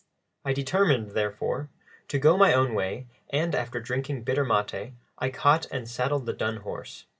I determined, therefore, to go my own way, and, after drinking bitter maté, I caught and saddled the dun horse.